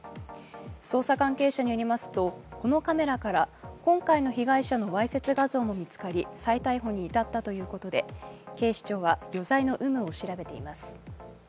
捜査関係者によりますとこのカメラから今回の被害者のわいせつ画像も見つかり再逮捕に至ったということで、警視庁は余罪の有無を調べています。